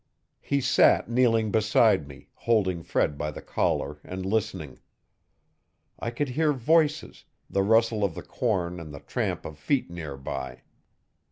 He sat kneeling beside me, holding Fred by the collar and listening. I could hear voices, the rustle of the corn and the tramp of feet near by.